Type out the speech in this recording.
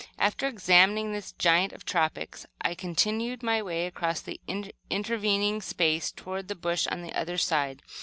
After examining this giant of the tropics, I continued my way across the intervening space toward the bush on the other side.